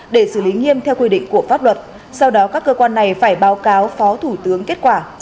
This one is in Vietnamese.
để xử lý nghiêm theo quy định của pháp luật sau đó các cơ quan này phải báo cáo phó thủ tướng kết quả